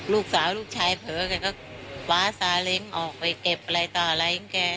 ลูกสาวลูกชายเผลอแกก็คว้าซาเล้งออกไปเก็บอะไรต่ออะไรของแก